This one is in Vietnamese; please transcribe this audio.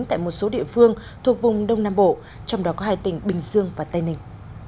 tại một số địa phương thuộc vùng đông nam bộ trong đó có hai tỉnh bình dương và tây ninh